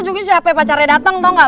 ujungin si hp pacarnya datang tau gak